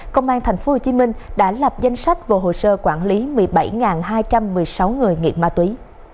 công an tp hcm đã lập danh sách và hồ sơ quản lý một mươi bảy hai trăm một mươi sáu người nghiện ma túy